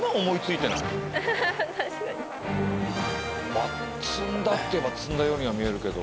まあ積んだっていえば積んだようには見えるけど。